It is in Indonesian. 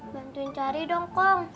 bantuin cari dong kong